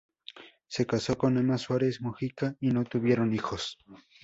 Se casó con Ema Suárez Mujica y no tuvieron hijos.